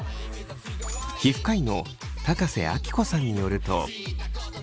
皮膚科医の瀬聡子さんによると。